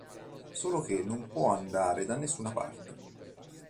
Solo che non può andare da nessuna parte.